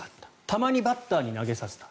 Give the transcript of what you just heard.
たまにバッターに投げさせた。